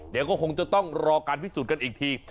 เดี๋ยวก็คงจะต้องรอการพิสูจน์กันอีกที